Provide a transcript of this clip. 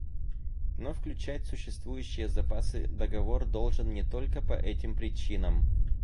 Но включать существующие запасы договор должен не только по этим причинам.